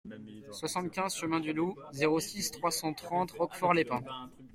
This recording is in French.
soixante-quinze chemin du Loup, zéro six, trois cent trente Roquefort-les-Pins